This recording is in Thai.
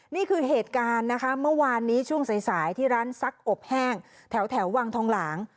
นี่คือเหตุการณ์นะคะเมื่อวานนี้ช่วงสายที่ร้านซักอบแห้งแถววังทองหลาง